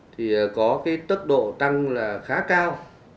thì có tốc độ tăng khá cao